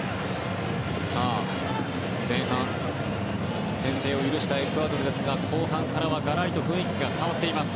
前半、先制を許したエクアドルですが後半からはがらりと雰囲気が変わっています。